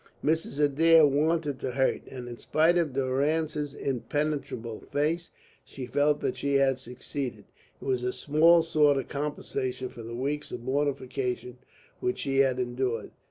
Mrs. Adair wanted to hurt, and in spite of Durrance's impenetrable face, she felt that she had succeeded. It was a small sort of compensation for the weeks of mortification which she had endured.